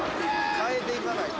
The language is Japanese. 変えていかないと。